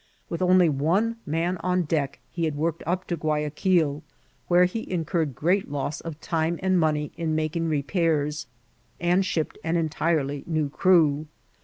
With only one man on deck he had worked up to Guayaquil, where he incurred great loss of time and money in making re pairs, and shipped an entirely new crew.